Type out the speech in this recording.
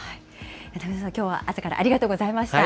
中島さん、きょうは朝からありがとうございました。